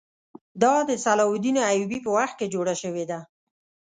دا د صلاح الدین ایوبي په وخت کې جوړه شوې ده.